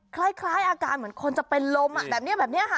คล้ายอาการเหมือนคนจะไปล้มแบบนี้ค่ะ